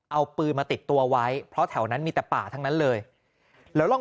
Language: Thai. เอาปืนมาติดตัวไว้เพราะแถวนั้นมีแต่ป่าทั้งนั้นเลยแล้วลอง